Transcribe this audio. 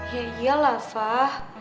iya lah fah